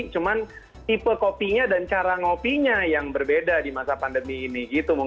cuma tipe kopinya dan cara ngopinya yang berbeda di masa pandemi ini gitu